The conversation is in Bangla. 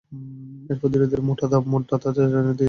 এরপর ধীরে ধীরে মোটা দাঁতের চিরুনি দিয়ে চুল আঁচড়ে নিতে হবে।